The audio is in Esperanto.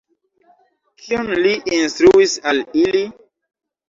Kion li instruis al ili?